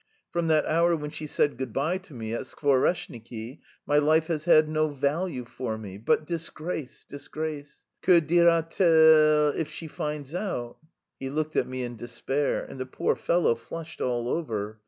_ From that hour when she said good bye to me at Skvoreshniki my life has had no value for me... but disgrace, disgrace, que dira t elle if she finds out?" He looked at me in despair. And the poor fellow flushed all over.